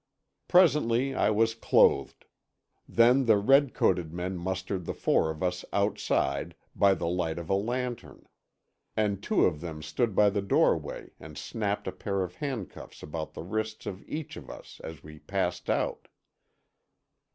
Presently I was clothed. Then the red coated men mustered the four of us outside, by the light of a lantern. And two of them stood by the doorway and snapped a pair of handcuffs about the wrists of each of us as we passed out.